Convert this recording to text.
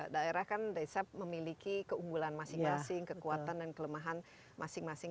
daerah kan desa memiliki keunggulan masing masing kekuatan dan kelemahan masing masing